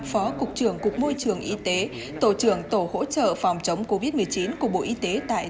phó cục trưởng cục môi trường y tế tổ trưởng tổ hỗ trợ phòng chống covid một mươi chín của bộ y tế tại